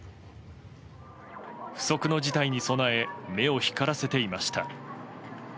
不測の事態に備え目を光らせていました。